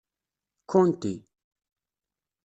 Kkunti.